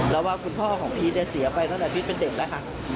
แล้วว่าคุณพ่อของพีชเนี่ยเสียไปตั้งแต่พีชเป็นเด็กแล้วค่ะ